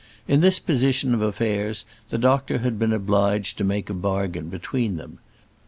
In this position of affairs the doctor had been obliged to make a bargain between them.